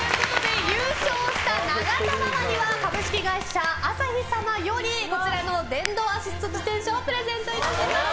優勝した永田ママには株式会社あさひ様より電動アシスト自転車をプレゼントいたします。